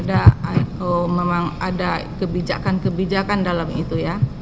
jadi ada kebijakan kebijakan dalam itu ya